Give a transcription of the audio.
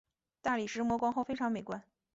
大理石磨光后非常美观。